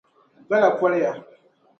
Gala poliya.